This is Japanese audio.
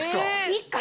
一家